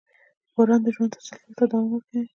• باران د ژوند تسلسل ته دوام ورکوي.